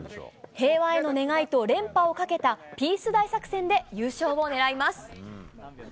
平和への願いと連覇をかけたピース大作戦で優勝をねらいます。